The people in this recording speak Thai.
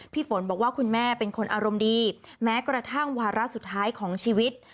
ฝนบอกว่าคุณแม่เป็นคนอารมณ์ดีแม้กระทั่งวาระสุดท้ายของชีวิต